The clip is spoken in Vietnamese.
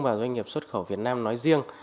và doanh nghiệp xuất khẩu việt nam nói riêng